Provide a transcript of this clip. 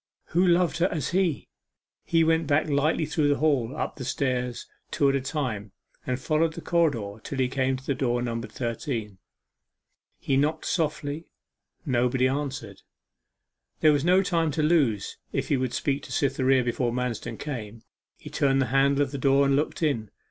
Who loved her as he! He went back lightly through the hall, up the stairs, two at a time, and followed the corridor till he came to the door numbered thirteen. He knocked softly: nobody answered. There was no time to lose if he would speak to Cytherea before Manston came. He turned the handle of the door and looked in.